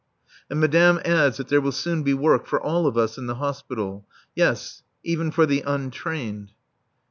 And Madame adds that there will soon be work for all of us in the Hospital. Yes: even for the untrained.